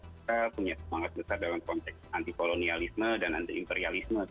mereka punya semangat besar dalam konteks antipolonialisme dan antiimperialisme